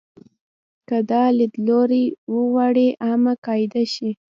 که دا لیدلوری وغواړي عامه قاعده شي.